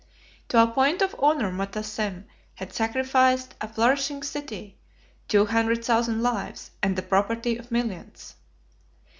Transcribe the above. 95 To a point of honor Motassem had sacrificed a flourishing city, two hundred thousand lives, and the property of millions.